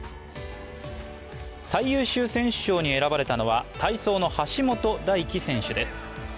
最優秀選手賞に選ばれたのは、体操の橋本大輝選手です。